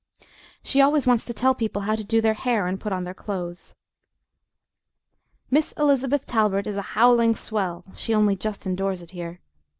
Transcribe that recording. She always wants to tell people how to do their hair and put on their clothes. Miss Elizabeth Talbert is a howling swell; she only just endures it here.